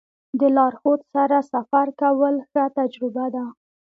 د لارښود سره سفر کول ښه تجربه ده.